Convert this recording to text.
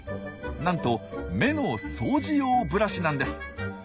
なんと目の掃除用ブラシなんです。